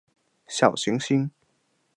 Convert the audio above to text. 小行星